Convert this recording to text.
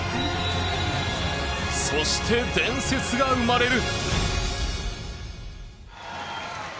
そして、伝説が生まれる。